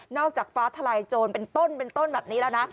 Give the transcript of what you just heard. นอกจากฟ้าทะลายโจรเป็นต้นแบบนี้แล้วนะ